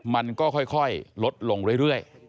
มันก็ค่อยลดลงเรื่อย